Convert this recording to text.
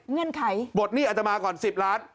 เงื่อนไขปลดหนี้อัตมาก่อน๑๐ล้าน